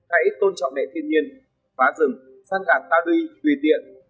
hãy tôn trọng đệ thiên nhiên phá rừng săn gạt tao đuôi tùy tiện